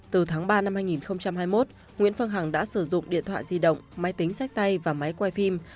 từ tháng ba năm hai nghìn hai mươi một nguyễn phương hằng đã sử dụng điện thoại di động máy tính sách tay và máy quay phim